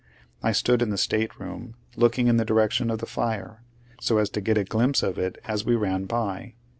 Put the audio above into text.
I stood in the stateroom, looking in the direction of the fire, so as to get a glimpse of it as we ran by.